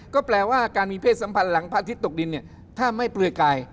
ก็แปลว่าการมีเพศสัมพันธ์หลังพระอาทิตย์ตกดินเนี่ยถ้าไม่เปลือยกาย